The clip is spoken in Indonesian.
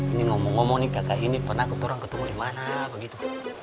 ini ngomong ngomong nih kakak ini pernah keturunan ketemu dimana begitu